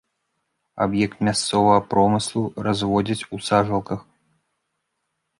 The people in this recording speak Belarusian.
Аб'ект мясцовага промыслу, разводзяць у сажалках.